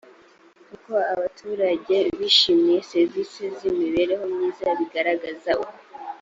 uko abaturage bishimiye serivisi z imibereho myiza bigaragaza uko